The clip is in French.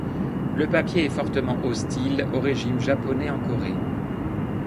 Le papier est fortement hostile au régime japonais en Corée.